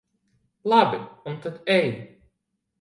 Labi, un tad ej.